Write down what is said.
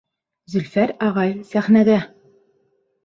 Зөлфәр ағай, сәхнәгә!